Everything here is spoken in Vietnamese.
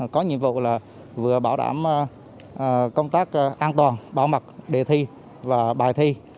có nhiệm vụ là vừa bảo đảm công tác an toàn bảo mật đề thi và bài thi